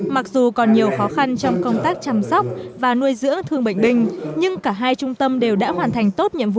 mặc dù còn nhiều khó khăn trong công tác chăm sóc và nuôi dưỡng thương bệnh binh nhưng cả hai trung tâm đều đã hoàn thành tốt nhiệm vụ